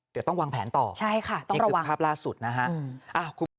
เดี๋ยวต้องวางแผนต่อใช่ค่ะต้องระวังนี่คือภาพล่าสุดนะฮะอ่า